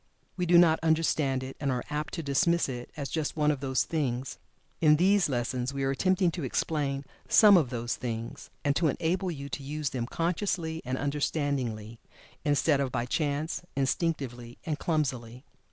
We do not understand it, and are apt to dismiss it as "just one of those things." In these lessons we are attempting to explain some of "those things," and to enable you to use them consciously and understandingly, instead of by chance, instinctively, and clumsily.